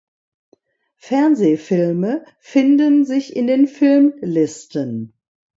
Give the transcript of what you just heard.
Fernsehfilme finden sich in den Filmlisten.